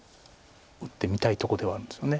打ってみたいとこではあるんですよね。